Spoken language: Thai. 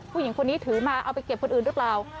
ผู้หญิงคนนี้ถือมาเอาไปเก็บคนอื่นหรือเปล่า